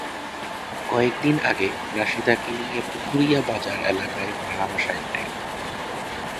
কয়েক দিন আগে রাশিদাকে নিয়ে পুখুরিয়া বাজার এলাকায় ভাড়া বাসায় ওঠেন।